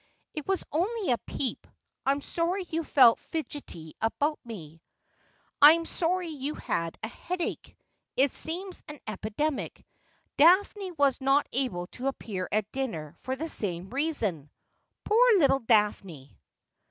' It was only a peep. I'm sorry you felt fidgety about me.' ' I am sorry you had a headache. It seems an epidemic. Daphne was not able to appear at dinner for the same reason.' ' Poor little Daphne